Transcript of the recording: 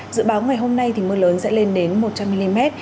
dự báo ngày hôm nay thì mưa lớn sẽ lên đến một trăm linh mm